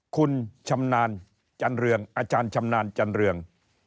คุณชำนาญจันเรืองอาจารย์ชำนาญจันเรือง